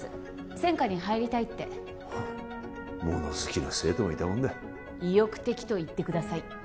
専科に入りたいって物好きな生徒もいたもんだ意欲的と言ってください